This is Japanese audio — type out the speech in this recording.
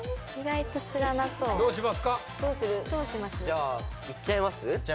じゃあいっちゃいます？